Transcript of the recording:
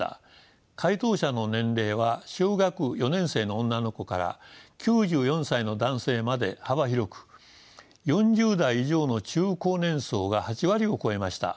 回答者の年齢は小学４年生の女の子から９４歳の男性まで幅広く４０代以上の中高年層が８割を超えました。